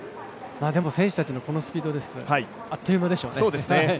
選手たちのこのスピードですあっという間でしょうね。